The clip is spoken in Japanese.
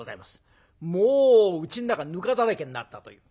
もううちの中ぬかだらけになったという。